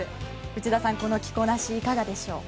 内田さん、この着こなしいかがでしょう。